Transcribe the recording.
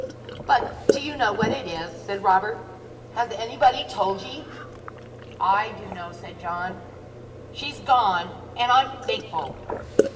'But do you know what it is?' said Robert. 'Has anybody told ye?' 'I do know,' said John. 'She's gone; and I am thankful!'